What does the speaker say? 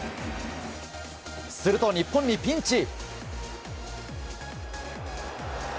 すると、日本にピンチ。